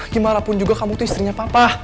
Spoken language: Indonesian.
gimanapun juga kamu tuh istrinya papa